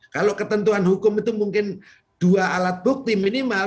kalau ketentuan hukum itu mungkin dua alat bukti minimal